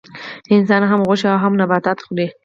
انسان هم غوښه او هم نباتات خوري